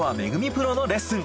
プロのレッスン。